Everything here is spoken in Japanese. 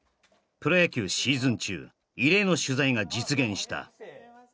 プロ野球シーズン中異例の取材が実現した